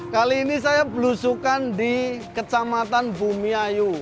kali ini saya berusukan di kecamatan bumi ayu